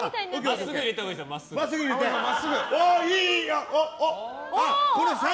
真っすぐ入れたほうがいいですよ。